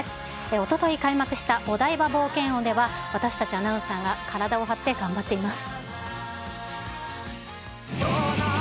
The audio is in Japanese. おととい開幕した、お台場冒険王では、私たちアナウンサーが体を張って頑張っています。